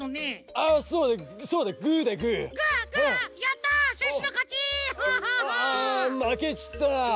・あまけちったなあ。